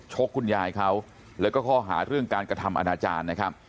คุณยายเขาแล้วก็ข้อหาเรื่องการกระทำอนาจารย์นะครับ